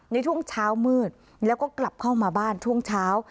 ในช่วงเช้ามืดแล้วก็กลับเข้ามาบ้านช่วงเช้า